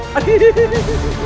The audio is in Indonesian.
kau ingin menangkapku